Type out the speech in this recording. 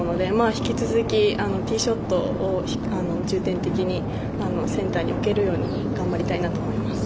引き続きティーショットを重点的にセンターにおけるように頑張りたいなと思います。